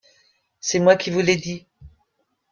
C'est moi qui vous l'ai dit.